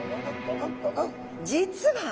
実は！